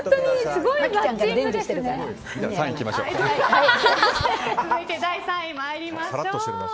続いて第３位参りましょう。